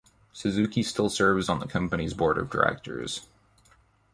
Suzuki still serves on the company's board of directors.